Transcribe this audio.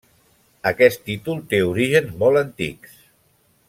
Aquest títol té orígens molt antics.